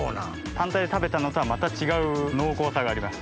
単体で食べたのとはまた違う濃厚さがあります。